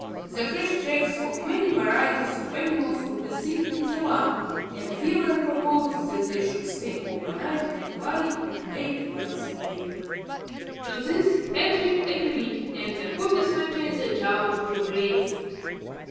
The fresh tracks of many varieties of animals could be seen in the mud; and Willem proposed that they should stay over night and lie in wait by the vley. To this Hendrik agreed; and the horses were tethered out to graze.